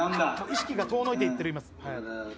意識が遠のいていっています。